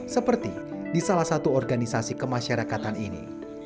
seperti di salah satu organisasi kemasyarakatan ini